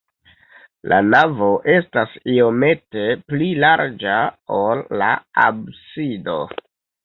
La navo estas iomete pli larĝa, ol la absido.